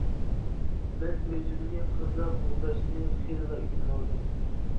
مەن ئۆزۈمنى قانداق قوغداشنى خېلىلا ئۆگىنىۋالدىم.